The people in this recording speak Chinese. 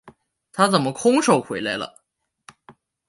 他怎么空手回来了？